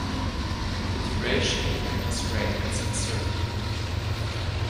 The duration of Unas' reign is uncertain.